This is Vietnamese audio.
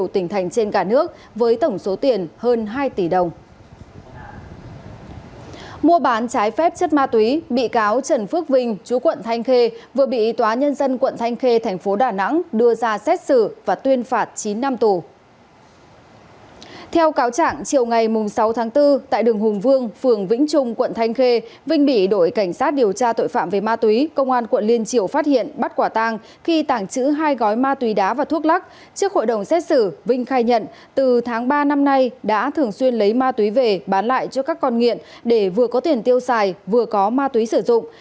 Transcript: trước hội đồng xét xử vinh khai nhận từ tháng ba năm nay đã thường xuyên lấy ma túy về bán lại cho các con nghiện để vừa có tiền tiêu xài vừa có ma túy sử dụng